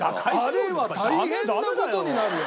あれは大変な事になるよ。